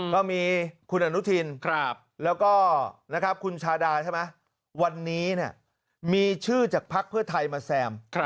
ก็มีคุณอนุทินแล้วก็คุณชาดาใช่ไหมวันนี้มีชื่อจากภักดิ์เพื่อไทยมาแซม